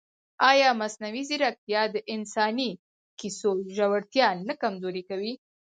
ایا مصنوعي ځیرکتیا د انساني کیسو ژورتیا نه کمزورې کوي؟